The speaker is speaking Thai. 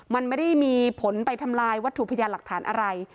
มันไม่ได้มีผลไปทำลายวัตถุพยานหลักฐานอะไร